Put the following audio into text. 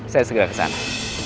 saya segera kesana